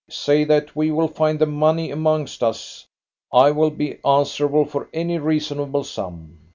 Say that we will find the money amongst us. I will be answerable for any reasonable sum."